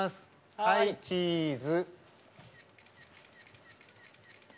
はいチーズ！